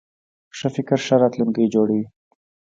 ښه فکر ښه راتلونکی جوړوي.